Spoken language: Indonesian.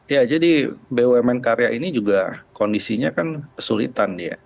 ya jadi bumn karya ini juga kondisinya kan kesulitan ya